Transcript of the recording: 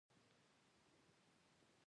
زما د پلار خبرې لکه ښایست دستورو